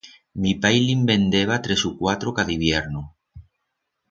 Mi pai li'n vendeba tres u cuatro cada hibierno.